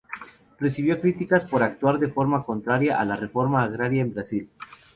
Recibió críticas por actuar de forma contraria a la Reforma Agraria en el Brasil.